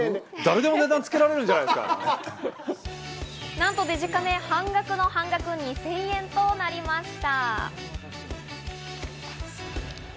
なんとデジカメ、半額の半額、２０００円となりました。